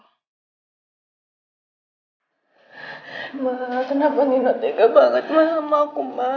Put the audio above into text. mas kenapa nino tega banget sama aku ma